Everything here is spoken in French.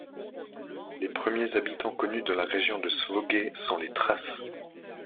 Les premiers habitants connus de la région de Svogué sont les Thraces.